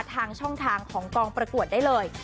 ทางช่องทางของกองประกวดได้เลย